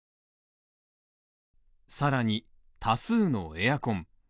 更に、多数のエアコン。